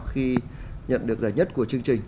khi nhận được giải nhất của chương trình